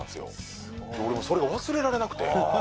俺、もうそれが忘れられなくて。